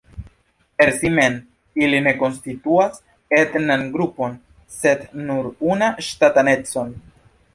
Per si mem ili ne konstituas etnan grupon sed nur una ŝtatanecon.